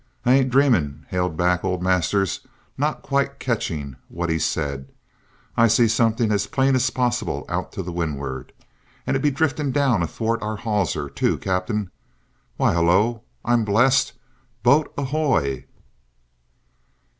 "I ain't dreaming," hailed back old Masters, not quite catching what he said. "I sees summit as plain as possible out to win'ard. Aye, it be a driftin' down athawt our hawser, too, cap'en. Why, hullo! I'm blessed. Boat ahoy!"